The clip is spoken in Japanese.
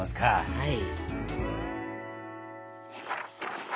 はい。